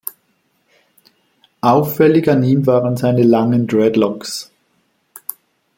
Auffällig an ihm waren seine langen Dreadlocks.